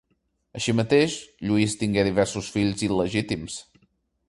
Així mateix Lluís tingué diversos fills il·legítims.